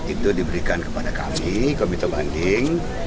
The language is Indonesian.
itu diberikan kepada kami komite banding